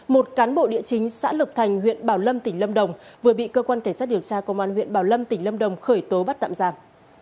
một cán bộ địa chính xã lộc thành huyện bảo lâm tỉnh lâm đồng vừa bị cơ quan cảnh sát điều tra công an huyện bảo lâm tỉnh lâm đồng khởi tố bắt tạm giam